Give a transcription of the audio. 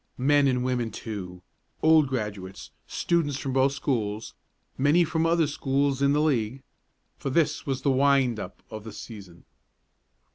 Men and women, too; old graduates, students from both schools, many from other schools in the league, for this was the wind up of the season.